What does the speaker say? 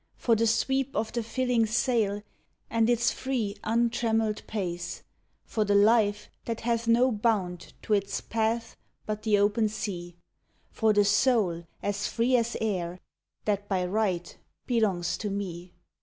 For the sweep of the filling sail, and its free, untrammeled pace! For the life that hath no bound to its path but the open sea; For the soul as free as air, that by right belongs to me!